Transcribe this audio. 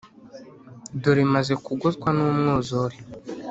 dore maze kugotwa n’umwuzure.